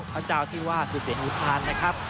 พระเจ้าที่ว่าคือเสียงอุทานนะครับ